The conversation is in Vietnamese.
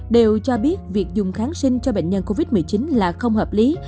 đều cho biết việc dùng kháng sinh cho bệnh nhân covid một mươi chín là không hợp lý